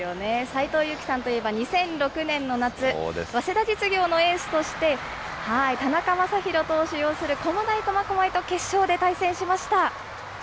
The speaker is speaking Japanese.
斎藤佑樹さんといえば、２００６年の夏、早稲田実業のエースとして、田中将大投手擁する駒大苫小牧と決勝で対戦しました。